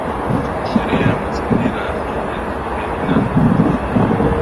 Sheria ya Mazingira ya mwaka elfu mbili na nne